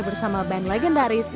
bersama band legendaris